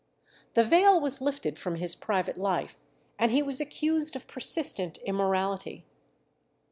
The veil was lifted from his private life, and he was accused of persistent immorality.